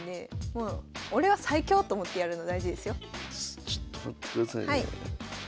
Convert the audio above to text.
ああちょっと待ってくださいね。